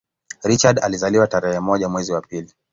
Richard alizaliwa tarehe moja mwezi wa pili